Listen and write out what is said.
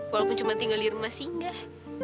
walaupun cuma tinggal di rumah singgah